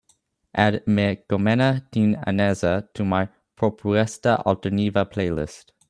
add Me Kommeni Tin Anasa to my propuesta alternativa playlist